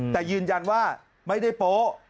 แต่ยืนยันว่าไม่ได้โป๊ะ